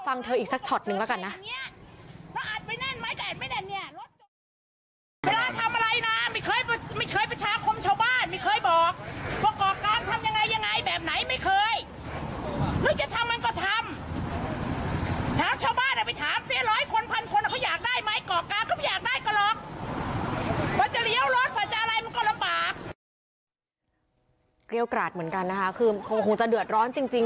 เรียวกราศเหมือนกันนะคะคือคงจะเดือดร้อนจริง